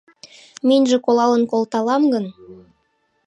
Миньже колалын колталам гын